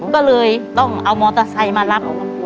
ก็เลยต้องเอามอเตอร์ไซค์มารับ